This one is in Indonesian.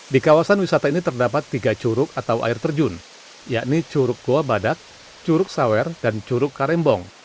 di kawasan wisata ini terdapat tiga curug atau air terjun yakni curug goa badak curug sawer dan curug karembong